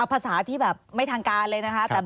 ภาษาที่แบบไม่ทางการเลยนะคะ